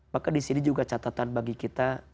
maka disini juga catatan bagi kita